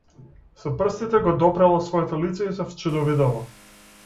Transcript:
Со прстите го допрело своето лице и се вчудовидело.